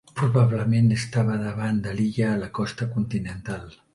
Probablement estava davant de l'illa a la costa continental.